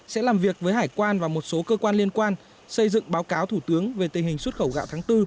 sẽ làm việc với hải quan và một số cơ quan liên quan xây dựng báo cáo thủ tướng về tình hình xuất khẩu gạo tháng bốn